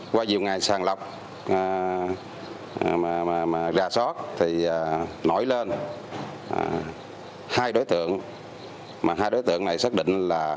qua nhiều ngày sàng lọc ra sót thì nổi lên